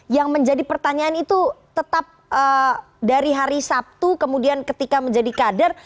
yang menjadi pertanyaan itu tetap dari hari sabtu kemudian ketika menjadi kader